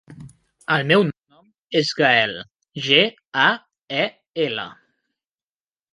El meu nom és Gael: ge, a, e, ela.